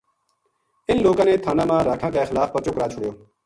اِنھ لوکاں نے تھا نہ ما راکھاں کے خلاف پرچو کرا چھُڑیو